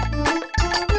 sangat lenyit kalian